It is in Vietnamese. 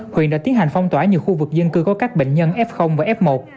huyện đã tiến hành phong tỏa nhiều khu vực dân cư có các bệnh nhân f và f một